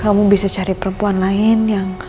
kamu bisa cari perempuan lain yang